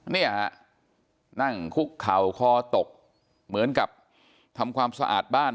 เนี่ยฮะนั่งคุกเข่าคอตกเหมือนกับทำความสะอาดบ้าน